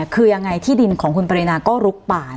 คือยังไงที่ดินของคุณปรินาก็ลุกป่า